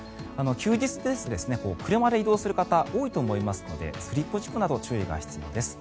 休日ですと、車で移動する方多いと思いますのでスリップ事故など注意が必要です。